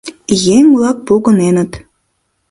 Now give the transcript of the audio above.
Еҥ-влак погыненыт.